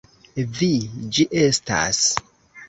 Vi ĝi estas!